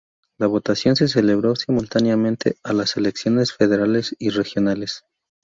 La votación se celebró simultáneamente a las elecciones federales y regionales.